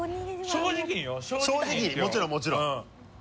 正直にもちろんもちろん。